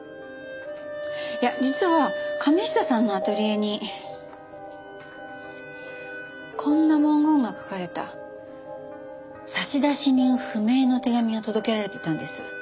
いや実は神下さんのアトリエにこんな文言が書かれた差出人不明の手紙が届けられていたんです。